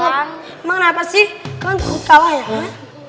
emang kenapa sih kalian takut kalah ya